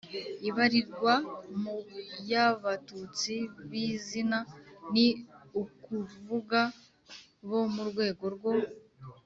ibarirwa mu y'abatutsi b'izina (ni ukuvuga bo mu rwego rwo